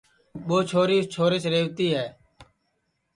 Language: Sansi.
ٻو چھوری اُس چھوریس ریہوَتی ہے